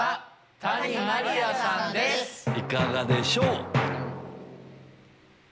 いかがでしょう？